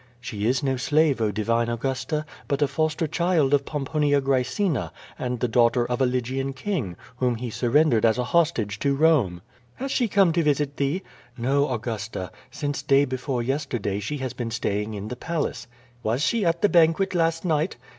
"She is no slave. Oh Divine Augusta, but a foster child of Pomponia Oraecina and the daughter of a Lygian king, whom he surrendered as a hostage to Home." "Has she come to visit thee?" "No, Augusta, «ince day before yesterday, she has been staying in the palace." "Was she at the banquet last night?"